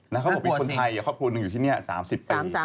แล้วเขาบอกว่ามีคนไทยอยู่ที่นี่๓๐ปี